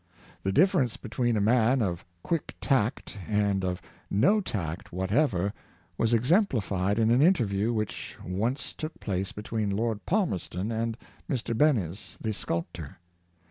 The difference between a man of quick tact and of no tact whatever was exemplified in an interview which once took place between Lord Palmerston and Mr. 582 Superficiality of Manner, Behnes, the sculptor.